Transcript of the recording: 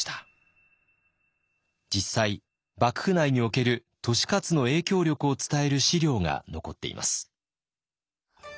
実際幕府内における利勝の影響力を伝える史料が残っています。